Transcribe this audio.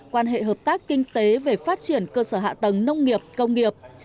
quan hệ hợp tác kinh tế về phát triển cơ sở hạ tầng nông nghiệp công nghiệp